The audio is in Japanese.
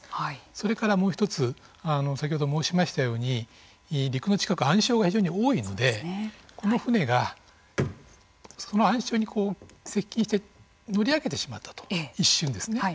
それからもう１つ先ほど申しましたように陸の近くは暗礁が非常に多いのでこの船がその暗礁に接近して乗り上げてしまったと一瞬ですね。